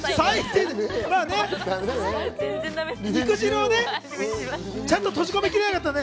肉汁をちゃんと閉じ込めきれなかったのね。